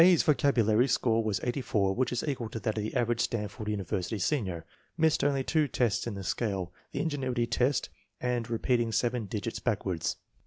's vocabulary score was 84, which is equal to that of the average Stanford University senior. Missed only two tests in the scale, the ingenuity test and re peating seven digits backwards.